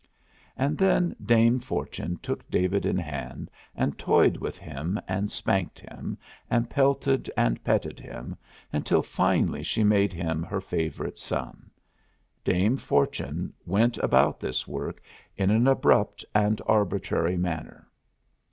And then Dame Fortune took David in hand and toyed with him and spanked him, and pelted and petted him, until finally she made him her favorite son. Dame Fortune went about this work in an abrupt and arbitrary manner.